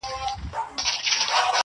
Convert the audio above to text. ډېري سترگي به كم كمي له سرونو-